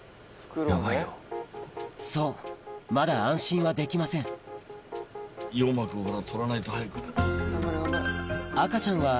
そうまだ安心はできません